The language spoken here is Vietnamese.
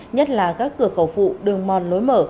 nhất là các cửa khẩu phụ đường mòn lối mở